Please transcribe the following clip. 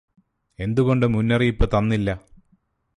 എന്തുകൊണ്ട് മുന്നറിയിപ്പ് തന്നില്ല